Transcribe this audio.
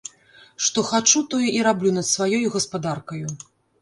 Што хачу, тое і раблю над сваёй гаспадаркаю!